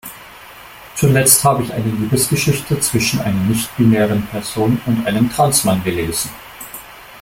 Zuletzt hab ich eine Liebesgeschichte zwischen einer nichtbinären Person und einem Trans-Mann gelesen.